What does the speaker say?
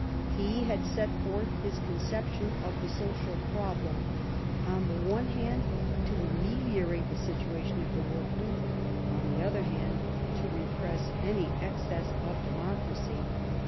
He had set forth his conception of the social problem — on the one hand to ameliorate the situation of the workmen ; on the other, to repress any excess of Democracy.